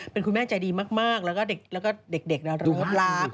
เป็นคุณแม่ใจดีมากแล้วก็เด็กน่ารัก